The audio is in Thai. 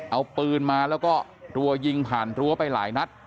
เอาปืนมาแล้วก็รัวยิงผ่านรั้วไปหลายนัด